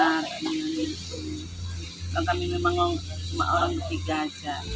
karena ini memang cuma orang berdiri aja